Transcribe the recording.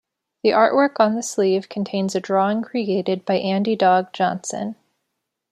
The artwork on the sleeve contains a drawing created by Andy Dog Johnson.